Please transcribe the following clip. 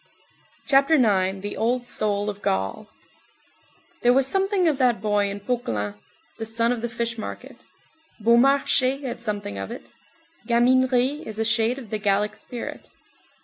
CHAPTER IX—THE OLD SOUL OF GAUL There was something of that boy in Poquelin, the son of the fish market; Beaumarchais had something of it. Gaminerie is a shade of the Gallic spirit.